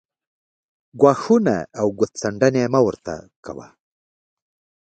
ګواښونه او ګوت څنډنې مه ورته کاوه